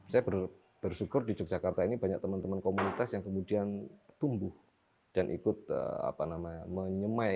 saya bersyukur di yogyakarta ini banyak teman teman komunitas yang kemudian tumbuh dan ikut menyemai